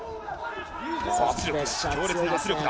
強烈な圧力だ。